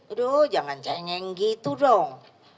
aduh jangan cengeng gitu dong